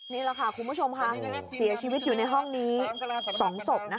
นี่แหละค่ะคุณผู้ชมค่ะเสียชีวิตอยู่ในห้องนี้๒ศพ